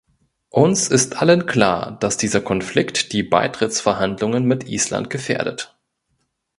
Uns ist allen klar, dass dieser Konflikt die Beitrittsverhandlungen mit Island gefährdet.